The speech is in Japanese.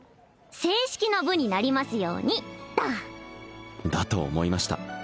正式な部になりますようにだだと思いました